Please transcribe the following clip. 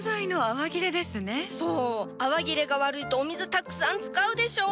泡切れが悪いとお水たくさん使うでしょ！？